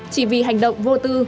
chỉ vì hành động vô tư